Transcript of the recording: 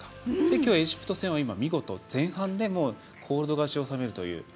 今日エジプト戦は見事、前半でコールド勝ちを収めるという。